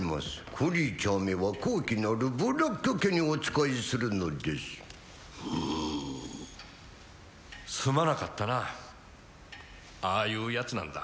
クリーチャーめは高貴なるブラック家にお仕えするのですうんすまなかったなああいうやつなんだ